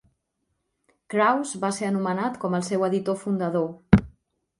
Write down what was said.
Krauss va ser anomenat com al seu editor fundador.